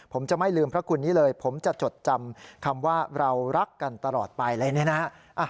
ผมจะไม่ลืมพระคุณนี้เลยผมจะจดจำคำว่าเรารักกันตลอดไปอะไรเนี่ยนะฮะ